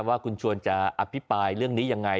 ว่าคุณชวนจะอภิปรายเรื่องนี้ยังไง